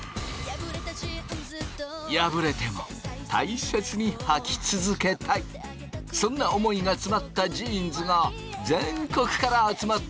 破れても大切にはき続けたいそんな思いが詰まったジーンズが全国から集まってくる。